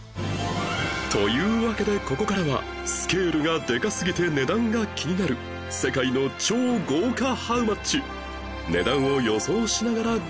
というわけでここからはスケールがデカすぎて値段が気になる世界の超豪華ハウマッチ